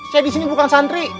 saya disini bukan santri